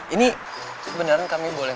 ini sebenernya kami boleh